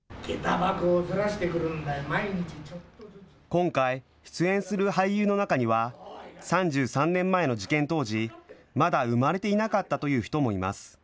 今回、出演する俳優の中には、３３年前の事件当時、まだ生まれていなかったという人もいます。